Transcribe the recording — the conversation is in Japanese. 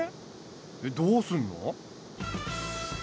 えっどうすんの？